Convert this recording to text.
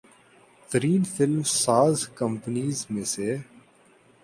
ترین film ساز companies میں سے